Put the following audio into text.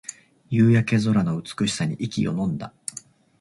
夕焼け空の美しさに息をのんだ